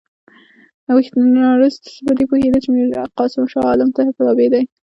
وینسیټارټ په دې پوهېدی چې میرقاسم شاه عالم ته تابع دی.